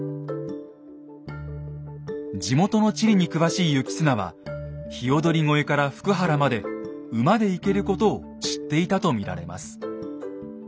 地元の地理に詳しい行綱は鵯越から福原まで馬で行けることを知っていたと見られます。